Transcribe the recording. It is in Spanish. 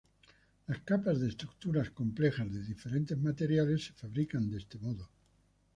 Las capas de estructuras complejas de diferentes materiales se fabrican de este modo.